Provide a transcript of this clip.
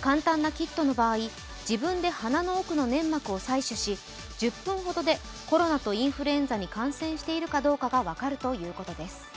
簡単なキットの場合、自分で鼻の奥の粘膜を採取し、１０分ほどでコロナとインフルエンザに感染しているかどうかが分かるということです。